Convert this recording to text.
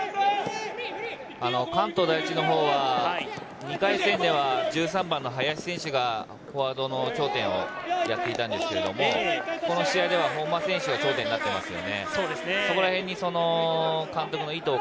関東第一のほうは２回戦では１３番の林選手がフォワードの頂点をやっていたんですけれど、この試合では本間選手が頂点になっていますよね。